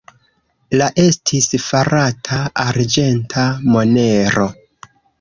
La estis farata arĝenta monero.